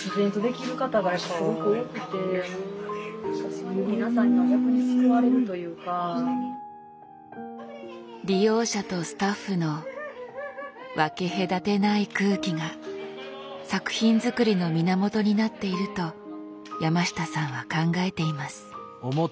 そういうのとかも何と言うか利用者とスタッフの分け隔てない空気が作品作りの源になっていると山下さんは考えています。